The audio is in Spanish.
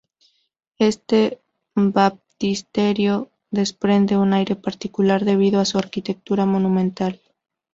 Este baptisterio desprende un aire particular debido a su arquitectura monumental.